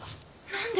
何で？